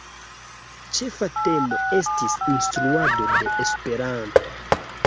Ĉefa temo estis "Instruado de Esperanto".